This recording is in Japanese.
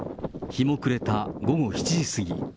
日も暮れた午後７時過ぎ。